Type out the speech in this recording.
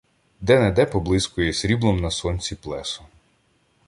Де-не-де поблискує сріблом на сонці плесо.